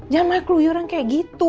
jangan malah keluyuran kayak gitu